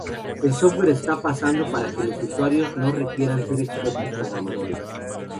El software está pensado para que los usuarios no requieran ser expertos programadores.